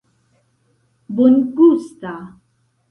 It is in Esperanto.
bongusta